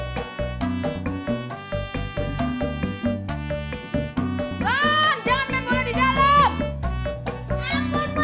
ban jangan main bola di dalam